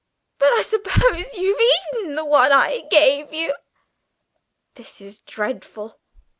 But I suppose you've eaten the one I gave you?" "This is dreadful!"